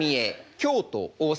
京都大阪